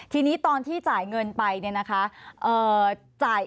ทีนี้ตอนที่จ่ายเงินไปเนี่ยนะคะ